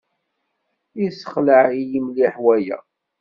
Yessexleɛ-iyi mliḥ waya.